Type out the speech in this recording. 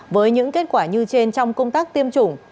với những kết quả như trên trong công tác tiêm chủng